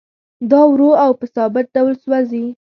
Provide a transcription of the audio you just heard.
دا ورو او په ثابت ډول سوځي